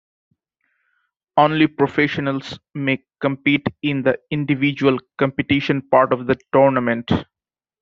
Only professionals may compete in the individual competition part of the tournament.